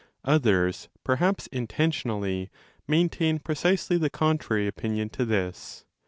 Others, perhaps intentionally, maintain precisely the contrary opinion to 25 this.